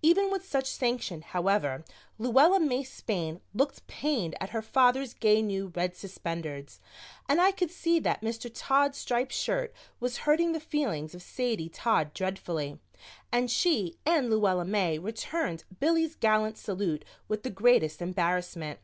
Even with such sanction, however, Luella May Spain looked pained at her father's gay new red suspenders, and I could see that Mr. Todd's striped shirt was hurting the feelings of Sadie Todd dreadfully, and she and Luella May returned Billy's gallant salute with the greatest embarrassment.